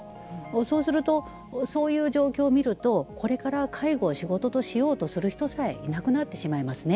そうするとそういう状況を見るとこれから介護を仕事としようとする人さえいなくなってしまいますよね。